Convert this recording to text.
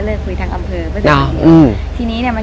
ทุกวันทุกวัน